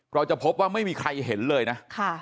เราจะพบว่าไม่มีใครเห็นเลยนะ